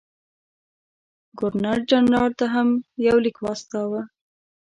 ګورنر جنرال ته هم یو لیک واستاوه.